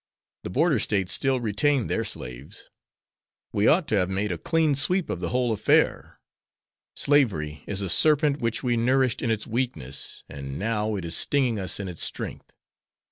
The border States still retain their slaves. We ought to have made a clean sweep of the whole affair. Slavery is a serpent which we nourished in its weakness, and now it is stinging us in its strength."